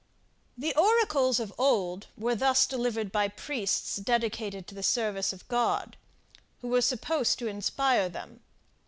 The oracles of old were thus delivered by priests dedicated to the service of the God, who was supposed to inspire them.